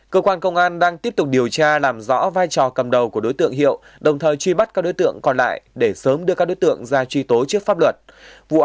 cơ quan điều tra đã giảm mức lương từ ba năm đến bốn triệu đồng một tháng